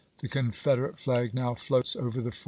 The Confederate flag now floats over the fort.